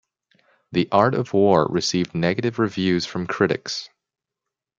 "The Art of War" received negative reviews from critics.